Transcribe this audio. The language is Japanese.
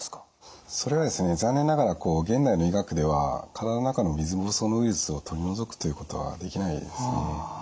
それがですね残念ながら現代の医学では体の中の水ぼうそうのウイルスを取り除くということはできないですね。